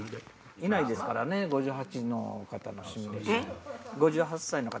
いないですからね５８の方。